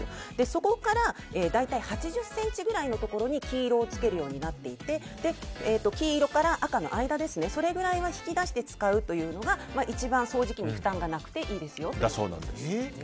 そこから大体８０ｃｍくらいのところに黄色をつけるようになっていて黄色から赤の間、それぐらいは引き出して使うというのが一番、掃除機に負担がなくていいですよという。